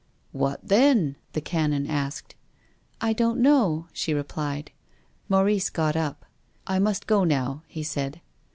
"What then?" the Canon asked. " I don't know," she replied. Maurice got up. "I must go now," he said.